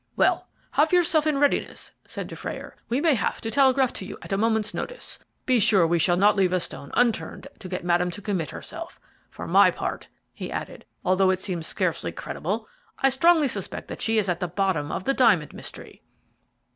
"Well, have yourself in readiness," said Dufrayer; "we may have to telegraph to you at a moment's notice. Be sure we shall not leave a stone unturned to get Madame to commit herself. For my part," he added, "although it seems scarcely credible, I strongly suspect that she is at the bottom of the diamond mystery."